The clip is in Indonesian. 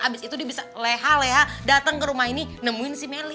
abis itu dia bisa leha leha datang ke rumah ini nemuin si meli